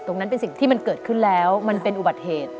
ตรงนั้นเป็นสิ่งที่มันเกิดขึ้นแล้วมันเป็นอุบัติเหตุ